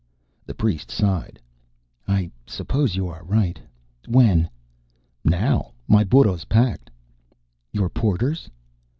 The priest sighed. "I suppose you are right. When " "Now. My burro's packed." "Your porters?"